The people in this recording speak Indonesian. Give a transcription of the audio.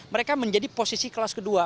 mereka menjadi posisi kelas kedua